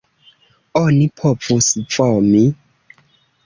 Oni povus vomi.